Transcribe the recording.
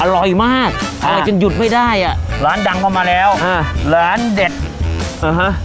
อร่อยมากอร่อยจนหยุดไม่ได้อ่ะร้านดังเข้ามาแล้วฮะร้านเด็ดเออฮะ